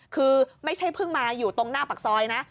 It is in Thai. คือไม่ใช่เพิ่งมาอยู่ตรงหน้าปากซอยนะ